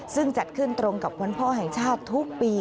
ซึ่งจัดขึ้นตรงกับวันพ่อแห่งชาติทุกปี